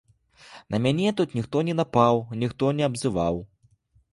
На мяне тут ніхто не напаў, ніхто не абзываў.